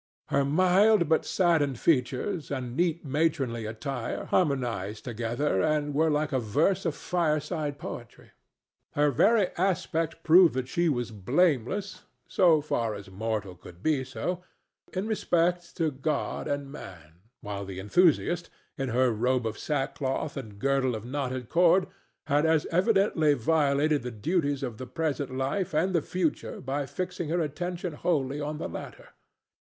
Her mild but saddened features and neat matronly attire harmonized together and were like a verse of fireside poetry. Her very aspect proved that she was blameless, so far as mortal could be so, in respect to God and man, while the enthusiast, in her robe of sackcloth and girdle of knotted cord, had as evidently violated the duties of the present life and the future by fixing her attention wholly on the latter.